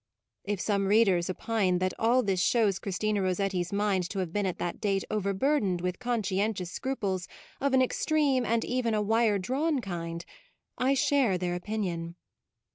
If some readers opine that all this shows Christina Rossetti's mind to have been at that date overburdened with conscientious scruples of an extreme and even a wire drawn kind, I share their opin ion.